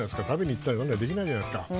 食べに行ったりできないじゃないですか。